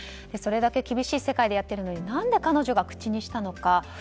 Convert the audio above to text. それだけ厳しい世界でやっているのに何で彼女が口にしたのか。